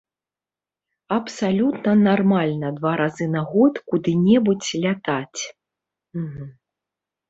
Абсалютна нармальна два разы на год куды-небудзь лятаць.